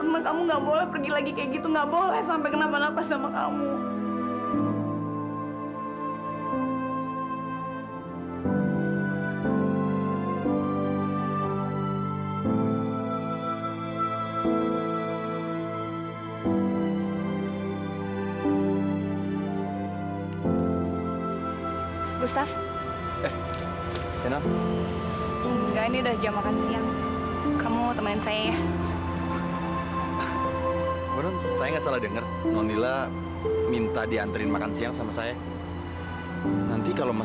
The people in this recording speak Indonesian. sampai jumpa di video selanjutnya